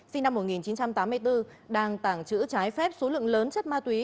sinh năm một nghìn chín trăm tám mươi bốn đang tàng trữ trái phép số lượng lớn chất ma túy